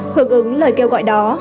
hưởng ứng lời kêu gọi đó